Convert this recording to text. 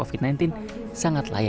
apa yang mau coba atau apa ya